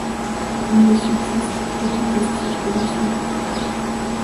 Il ne subsiste aucun vestige de l'ancienne croix.